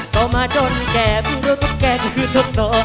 ต่อมาจนแกพึ่งรู้ตกแกก็คือตกโต